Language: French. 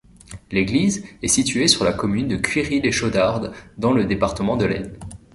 L'église est située sur la commune de Cuiry-lès-Chaudardes, dans le département de l'Aisne.